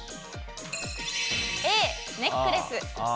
Ａ、ネックレス。